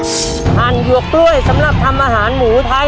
หั่นหยวกกล้วยสำหรับทำอาหารหมูไทย